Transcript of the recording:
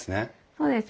そうです。